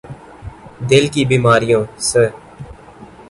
دل کی بیماریوں س